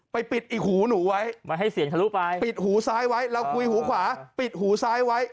ไปปิดอีกหูหนูไว้ปิดหูซ้ายไว้เราคุยหูขวาปิดหูซ้ายไว้